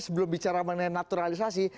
sebelum bicara mengenai naturalisasi